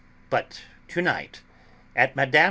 But to night, at Mme.